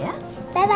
ya dan kamu